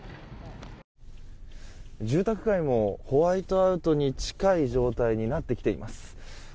住宅街もホワイトアウトに近い状態になってきています。